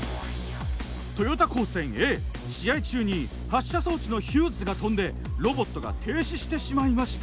豊田高専Ａ試合中に発射装置のヒューズが飛んでロボットが停止してしまいました。